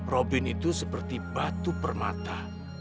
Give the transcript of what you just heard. robin itu seperti batu permata